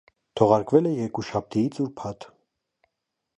Թողարկվել է երկուշաբթիից ուրբաթ։